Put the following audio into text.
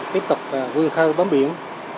tiếp tục vươn khơi bóng biển